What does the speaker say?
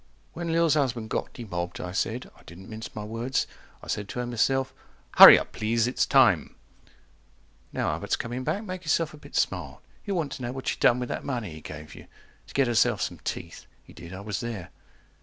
When Lil's husband got demobbed, I said— I didn't mince my words, I said to her myself, 140 HURRY UP PLEASE IT'S TIME Now Albert's coming back, make yourself a bit smart. He'll want to know what you done with that money he gave you To get yourself some teeth. He did, I was there.